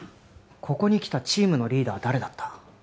ここに来たチームのリーダー誰だった？